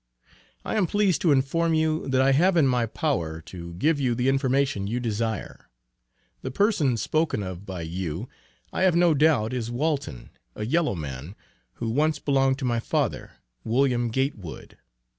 I am pleased to inform you that I have it in my power to give you the information you desire. The person spoken of by you I have no doubt is Walton, a yellow man, who once belonged to my father, William Gatewood.